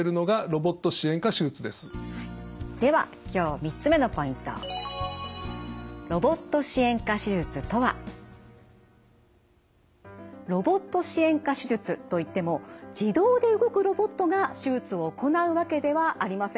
ロボット支援下手術といっても自動で動くロボットが手術を行うわけではありません。